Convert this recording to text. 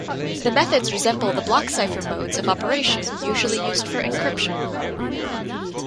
The methods resemble the block cipher modes of operation usually used for encryption.